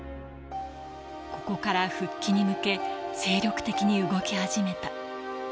ここから復帰に向け、精力的に動き始めた。